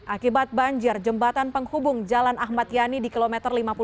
akibat banjir jembatan penghubung jalan ahmad yani di kilometer lima puluh